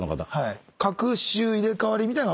隔週入れ替わりみたいな。